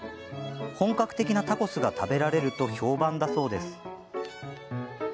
本格的なタコスが食べられると評判だそうです。